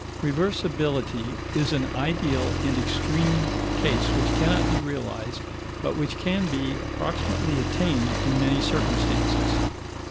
Reversibility is an ideal and extreme case which cannot be realized, but which can be approximately attained in many circumstances.